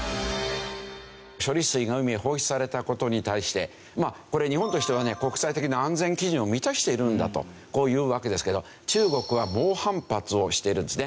処理水が海へ放出された事に対してまあこれ日本としてはね国際的な安全基準を満たしているんだとこう言うわけですけど中国は猛反発をしているんですね。